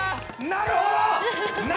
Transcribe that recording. なるほどね！